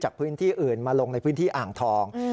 พื้นที่อื่นมาลงในพื้นที่อ่างทอง